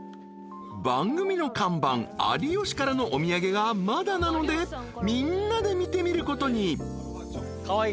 ［番組の看板有吉からのお土産がまだなのでみんなで見てみることに］